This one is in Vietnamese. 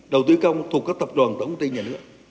đầu tư công thuộc các tập đoàn tổng thị nhà nước